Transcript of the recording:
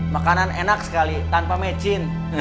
makanan enak sekali tanpa macin